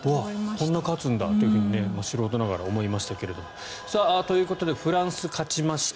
こんな勝つんだって素人ながら思いましたが。ということでフランスが勝ちました。